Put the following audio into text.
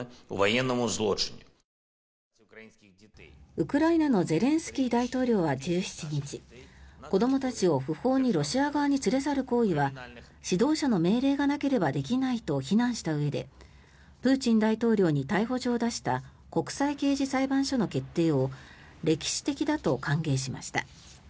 ウクライナのゼレンスキー大統領は１７日子どもたちを不法にロシア側に連れ去る行為は指導者の命令がなければできないと非難したうえでプーチン大統領に逮捕状を出した国際刑事裁判所の決定を歴史的だと歓迎しました。